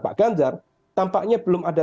pak ganjar tampaknya belum ada